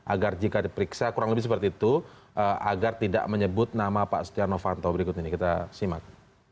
agar jika diperiksa kurang lebih seperti itu agar tidak menyebut nama pak setia novanto berikut ini kita simak